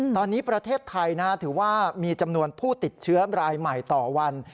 ตอนนี้ประเทศไทยถือว่ามีจำนวนผู้ติดเชื้อรายใหม่ต่อวัน